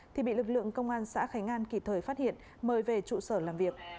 thì bị lực lượng công an xã khánh an kịp thời phát hiện mời về trụ sở làm việc